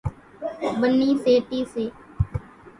ٻنِي سيٽيَ سي۔